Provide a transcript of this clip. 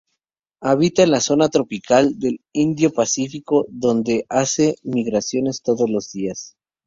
Habita en la zona tropical del Indo Pacífico, donde hace migraciones todos los días.